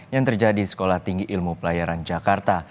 yang terjadi di sekolah tinggi ilmu pelayaran jakarta